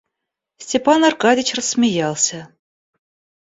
Степан Аркадьич рассмеялся.